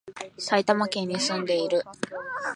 埼玉県に住んでいる